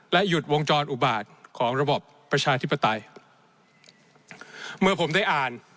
หยุดวงจรอุบาตของระบบประชาธิปไตยเมื่อผมได้อ่าน